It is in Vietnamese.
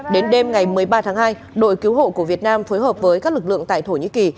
đến đêm ngày một mươi ba tháng hai đội cứu hộ của việt nam phối hợp với các lực lượng tại thổ nhĩ kỳ